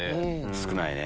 少ないね。